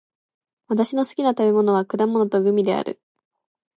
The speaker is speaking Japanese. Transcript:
私の好きな食べ物は果物とグミである。